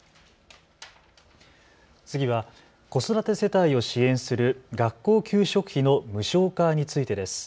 次は子育て世帯を支援する学校給食費の無償化についてです。